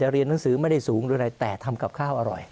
เรียนหนังสือไม่ได้สูงหรืออะไรแต่ทำกับข้าวอร่อย